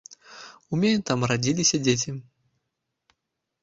У мяне там радзіліся дзеці.